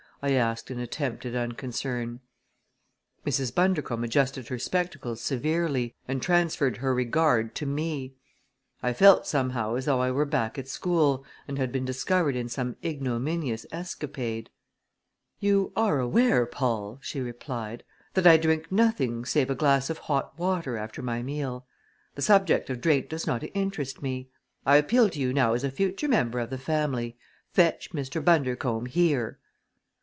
I asked in attempted unconcern. Mrs. Bundercombe adjusted her spectacles severely and transferred her regard to me. I felt somehow as though I were back at school and had been discovered in some ignominious escapade. "You are aware, Paul," she replied, "that I drink nothing save a glass of hot water after my meal. The subject of drink does not interest me. I appeal to you now as a future member of the family: Fetch Mr. Bundercombe here!"